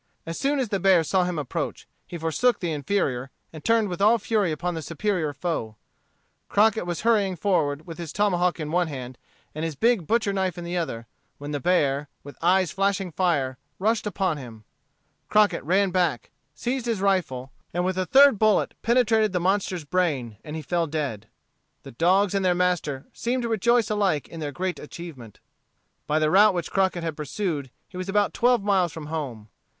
As soon as the bear saw him approach, he forsook the inferior, and turned with all fury upon the superior foe. Crockett was hurrying forward with his tomahawk in one hand and his big butcher knife in the other, when the bear, with eyes flashing fire, rushed upon him. Crockett ran back, seized his rifle, and with a third bullet penetrated the monster's brain and he fell dead. The dogs and their master seemed to rejoice alike in their great achievement. By the route which Crockett had pursued, he was about twelve miles from home.